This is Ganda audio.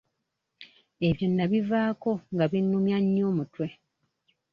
Ebyo nnabivaako nga binnumya nnyo omutwe.